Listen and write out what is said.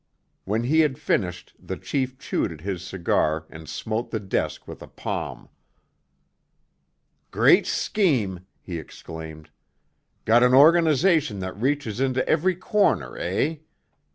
When he had finished the chief chewed at his cigar and smote the desk with a palm. "Great scheme!" he exclaimed. "Got an organization that reaches into every corner, eh?